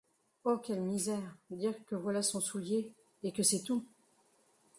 Oh quelle misère! dire que voilà son soulier, et que c’est tout !